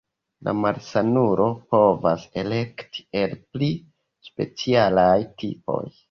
La malsanulo povas elekti el pli specialaj tipoj.